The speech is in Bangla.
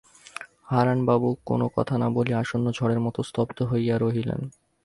হারানবাবু কোনো কথা না বলিয়া আসন্ন ঝড়ের মতো স্তব্ধ হইয়া রহিলেন।